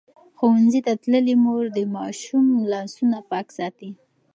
ښوونځې تللې مور د ماشوم لاسونه پاک ساتي.